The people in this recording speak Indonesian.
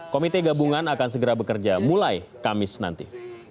komite gabungan akan segera bekerja mulai kamis nanti